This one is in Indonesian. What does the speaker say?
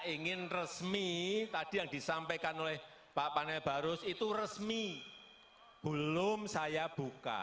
ingin resmi tadi yang disampaikan oleh pak panaeba rusy tuh resmi belum saya buka